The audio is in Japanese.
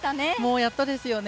やっとですよね。